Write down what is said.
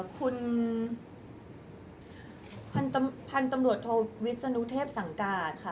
คุณพันธุ์ตำรวจโทวิทย์สนุทธพสั่งกาล